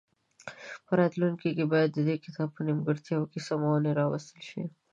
په راتلونکي کې باید د دې کتاب په نیمګړتیاوو کې سمونې راوستل شي.